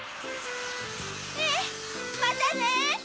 ええまたね！